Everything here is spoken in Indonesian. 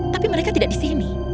tapi mereka tidak di sini